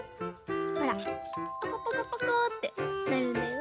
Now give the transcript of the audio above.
ほらポコポコポコってなるんだよ。